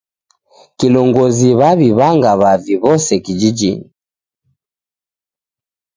Kilongozi waw'iw'anga w'avi w'ose kijijinyi.